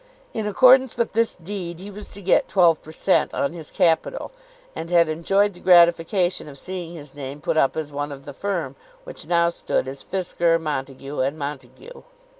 In accordance with this deed he was to get twelve per cent. on his capital, and had enjoyed the gratification of seeing his name put up as one of the firm, which now stood as Fisker, Montague, and Montague.